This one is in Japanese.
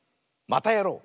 「またやろう！」。